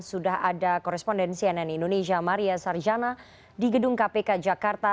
sudah ada koresponden cnn indonesia maria sarjana di gedung kpk jakarta